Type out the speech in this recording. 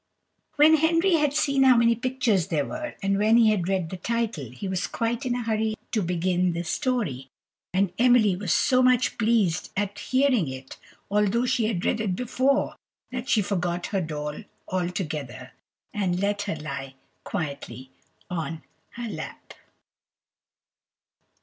When Henry had seen how many pictures there were, and when he had read the title, he was quite in a hurry to begin the story, and Emily was so much pleased at hearing it, although she had read it before, that she forgot her doll altogether, and let her lie quietly on her lap.